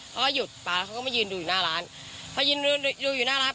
เขาก็หยุดไปแล้วเขาก็มายืนดูอยู่หน้าร้านพอยืนดูอยู่หน้าร้าน